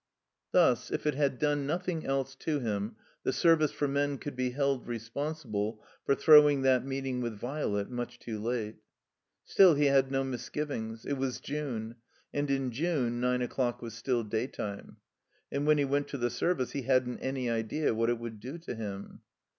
Thus, if it had done nothing else to him, the Service for Men could be held responsible for throwing that meeting with Violet much too late. Still, he had no misgivings. It was June; and in June nine o'clock was still daytime. And when he went to the Service h^ hadn't any idea what it would do to him.